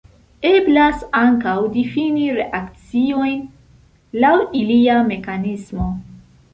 Eblas ankaŭ difini reakciojn laŭ ilia mekanismo.